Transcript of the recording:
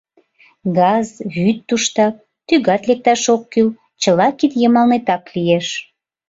Газ, вӱд туштак, тӱгат лекташ ок кӱл — чыла кид йымалнетак лиеш.